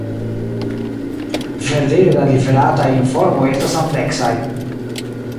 Verdire la liverataj informoj estas ampleksaj.